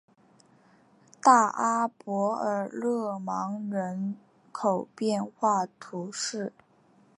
大阿伯尔热芒人口变化图示